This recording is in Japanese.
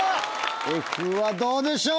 Ｆはどうでしょう？